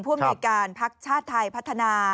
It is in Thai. ผู้แม่งดำเนื้อภาคชาติไทยพัฒนา